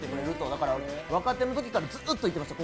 だから、若手のときからずっと行ってました。